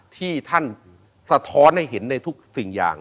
ที่ท่านสะท้อนให้เห็นในทุกสิ่งอย่าง